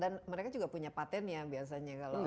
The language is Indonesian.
dan mereka juga punya paten ya biasanya